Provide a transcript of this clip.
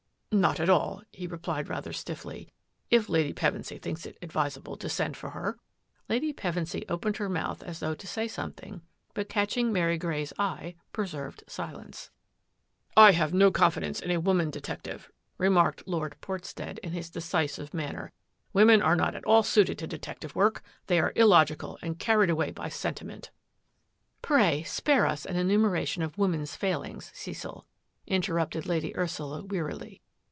" Not at all," he replied rather stiffly, " if I Pevensy thinks it advisable to send for her." Lady Pevensy opened her mouth as thoug] say something, but catching Mary Grey's preserved silence. ^" I have no confidence in a woman detecti remarked Lord Portstead in his decisive man " Women are not at all suited to detective w They are illogical and carried away by s< ment." WHERE HAD MELDRUM BEEN? «1 " Pray spare us an enumeration of women's fail ings, Cecil," interrupted Lady Ursula wearily.